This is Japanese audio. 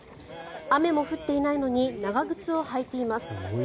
雨も降っていないのに長靴を履いています。